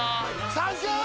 サンキュー！！